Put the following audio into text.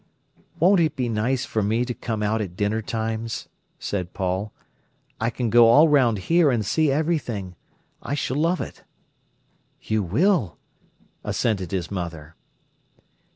"Won't it be nice for me to come out at dinner times?" said Paul. "I can go all round here and see everything. I s'll love it." "You will," assented his mother.